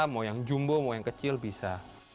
mau yang jumbo mau yang kecil bisa